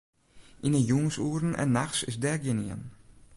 Yn 'e jûnsoeren en nachts is dêr gjinien.